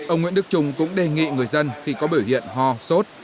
ông nguyễn đức trung cũng đề nghị người dân khi có biểu hiện ho sốt